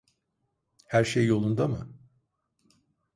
Her şey yolunda mı?